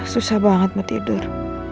susah banget mau tidur